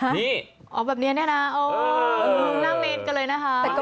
นี่อ๋อแบบนี้แน่น่ะน่าเมนกันเลยนะฮะ